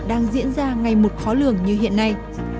đang diễn ra ngày một khó lường như hiện nay